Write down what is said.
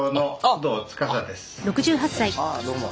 あっどうも。